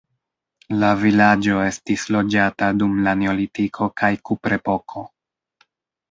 La vilaĝo estis loĝata dum la neolitiko kaj kuprepoko.